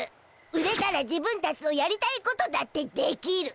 売れたら自分たちのやりたいことだってできる。